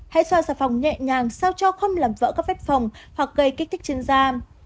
hãy xoa xà phòng nhẹ nhàng sao cho không làm vỡ các vết phòng hoặc gây kích thích trên da